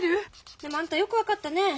でもあんたよく分かったね。